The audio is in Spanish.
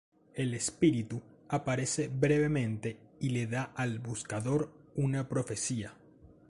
El espíritu aparece brevemente y le da al buscador una profecía.